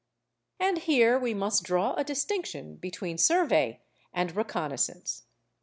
And here we must draw a distinction between survey and reconnaissance.